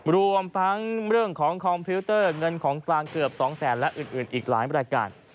รวมทั้งเรื่องของคอมพิวเตอร์เงินของกลางเกือบ๒แสนและอื่นอีกหลายรายการ